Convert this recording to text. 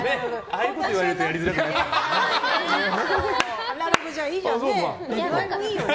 ああいうこと言われるとやりづらくなるんだよね。